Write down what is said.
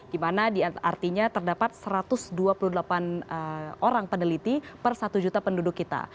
dimana artinya terdapat satu ratus dua puluh delapan orang peneliti per satu juta penduduk kita